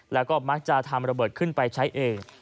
แล้วก็มักจะทำระเบิดขึ้นไปใช้เอง